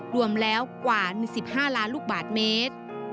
รวมแล้วกว่า๑๕ล้านลูกบาทเมตร